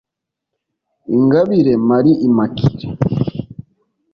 Ingabire Marie Immaculé